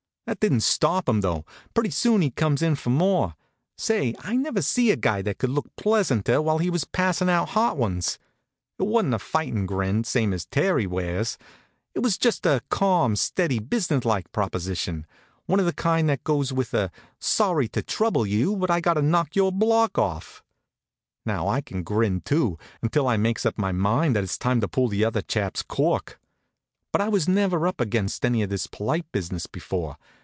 That didn't stop him, though. Pretty soon he comes in for more. Say, I never see a guy that could look pleasanter while he was passin' out hot ones. It wasn't a fightin' grin, same as Terry wears; it was just a calm, steady, business like proposition, one of the kind that goes with a "Sorry to trouble you, but I've got to knock your block off." Now, I can grin, too, until I makes up my mind that it's time to pull the other chap's cork. But I was never up against any of this polite business before.